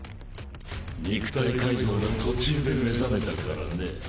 肉体改造の途中で目覚めたからね。